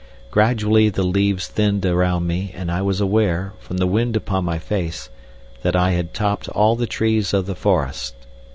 Gradually the leaves thinned around me, and I was aware, from the wind upon my face, that I had topped all the trees of the forest.